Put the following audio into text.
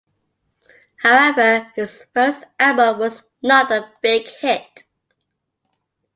However, his first album was not a big hit.